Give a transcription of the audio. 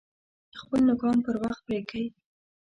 خپل نوکان پر وخت پرې کئ!